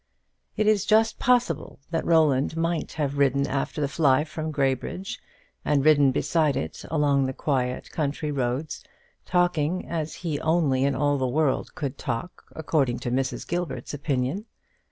It is just possible that Roland might have ridden after the fly from Graybridge, and ridden beside it along the quiet country roads, talking as he only in all the world could talk, according to Mrs. Gilbert's opinion.